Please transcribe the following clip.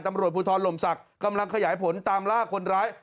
ตำรวจภูทรลมศักดิ์กำลังขยายผลตามล่าคนร้าย